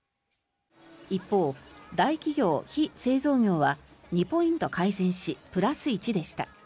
一方、大企業・非製造業は２ポイント改善しプラス１でした。